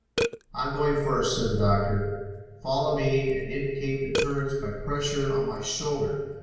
"I'm going first," said the doctor. "Follow me and indicate the turns by pressure on my shoulder.